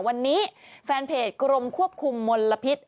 วันนี้แฟนเพจกรมควบคุมมลพิษ